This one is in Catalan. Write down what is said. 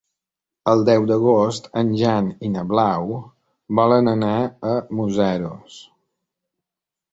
El deu d'agost en Jan i na Blau volen anar a Museros.